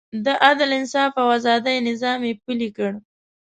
د عدل، انصاف او ازادۍ نظام یې پلی کړ.